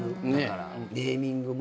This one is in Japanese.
ネーミングも。